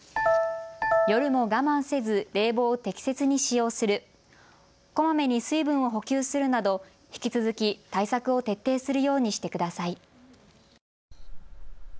夜も我慢せず冷房を適切に使用する、こまめに水分を補給するなど引き続き対策を徹底するようにしてください。